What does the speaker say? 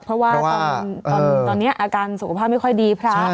เพราะว่าตอนนี้อาการสุขภาพไม่ค่อยดีพระ